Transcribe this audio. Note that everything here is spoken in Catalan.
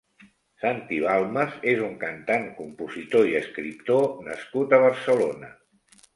Santi Balmes és un cantant, compositor i escriptor nascut a Barcelona.